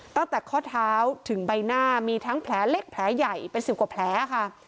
ตั้งแต่ข้อเท้าถึงใบหน้ามีทั้งแผลเล็กแผลใหญ่เป็น๑๐กว่าแผลค่ะ